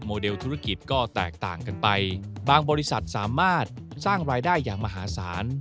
เดลธุรกิจก็แตกต่างกันไปบางบริษัทสามารถสร้างรายได้อย่างมหาศาล